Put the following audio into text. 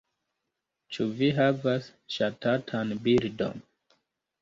Ĉu vi havas ŝatatan bildon?